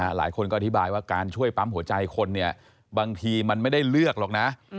หลายคนก็อธิบายว่าการช่วยปั๊มหัวใจคนเนี่ยบางทีมันไม่ได้เลือกหรอกนะ